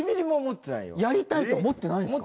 やりたいと思ってないんすか？